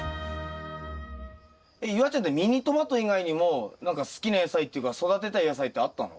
えっ夕空ちゃんってミニトマト以外にも何か好きな野菜っていうか育てたい野菜ってあったの？